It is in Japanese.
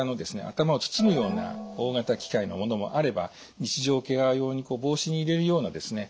頭を包むような大型機械の物もあれば日常ケア用に帽子に入れるようなですね